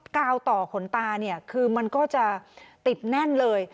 กาวต่อขนตาเนี่ยคือมันก็จะติดแน่นเลย